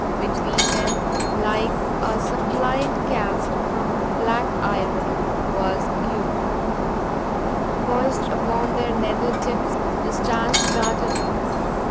Between them, like a suppliant cast from black iron, was Yuruk. Poised upon their nether tips the stars guarded him.